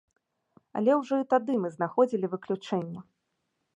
Але ўжо і тады мы знаходзілі выключэнні.